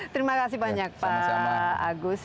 terima kasih banyak pak agus